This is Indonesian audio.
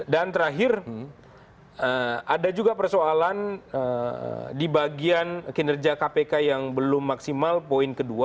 dan terakhir ada juga persoalan di bagian kinerja kpk yang belum maksimal poin kedua